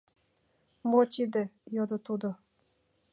— Мо тиде? — йодо тудо.